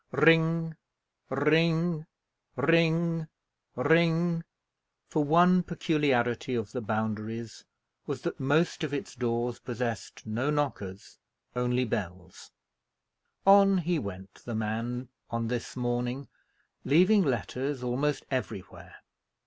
Ring ring ring ring for one peculiarity of the Boundaries was, that most of its doors possessed no knockers, only bells on he went, the man, on this morning, leaving letters almost everywhere.